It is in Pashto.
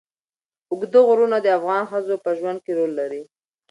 اوږده غرونه د افغان ښځو په ژوند کې رول لري.